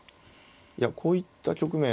いやこういった局面